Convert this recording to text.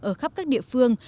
ở khắp các địa phương